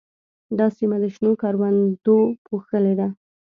دا سیمه د شنو کروندو پوښلې ده.